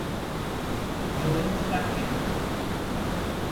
¿no hemos partido?